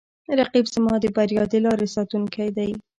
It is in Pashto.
رقیب زما د بریا د لارې ساتونکی دی